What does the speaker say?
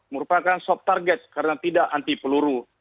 merupakan soft target karena tidak anti peluru